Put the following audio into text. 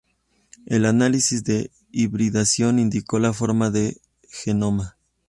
El Análisis de hibridación indicó la forma del genoma.